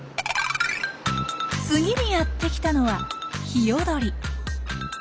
次にやって来たのはヒヨドリ。